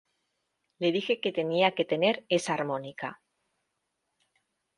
Le dije que tenía que tener esa armónica.